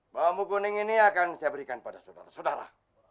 bambu kuning ini akan saya berikan pada saudara saudara